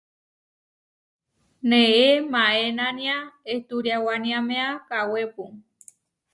Neé maénania ehturiáwaníamea kawépu.